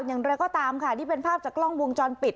อย่างไรก็ตามค่ะนี่เป็นภาพจากกล้องวงจรปิด